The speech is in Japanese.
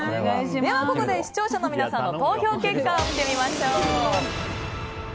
では、ここで視聴者の皆さんの投票結果を見てみましょう。